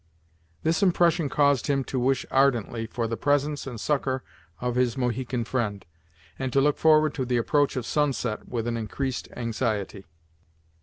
This impression caused him to wish ardently for the presence and succor of his Mohican friend, and to look forward to the approach of sunset with an increasing anxiety.